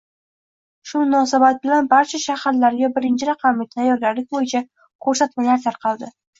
Shu munosabat bilan barcha shaharlariga birinchi raqamli tayyorgarlik boʻyicha koʻrsatmalar tarqaldi.